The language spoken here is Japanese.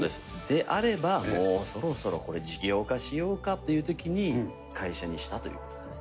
であれば、もうそろそろこれ、事業化しようかというときに、会社にしたということです。